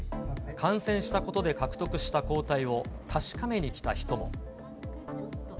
感染したことで獲得した抗体を確かめに来た人も。